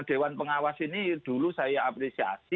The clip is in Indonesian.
dewan pengawas ini dulu saya apresiasi